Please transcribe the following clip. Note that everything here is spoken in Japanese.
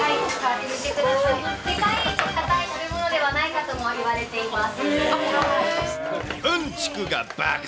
世界一硬い食べ物ではないかともいわれています。